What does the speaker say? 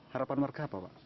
harapan warga apa pak